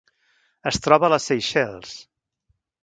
Es troba a les Seychelles.